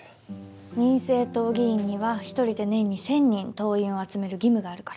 民政党議員には１人で年に１，０００人党員を集める義務があるから。